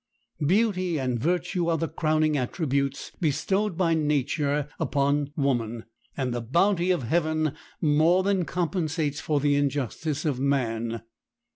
Beauty and virtue are the crowning attributes bestowed by nature upon woman, and the bounty of Heaven more than compensates for the injustice of man.